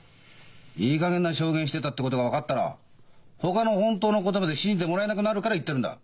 いいかげんな証言してたってことが分かったらほかの本当のことまで信じてもらえなくなるから言ってるんだ。